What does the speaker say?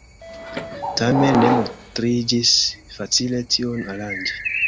Tamen ne montriĝis facile tion aranĝi.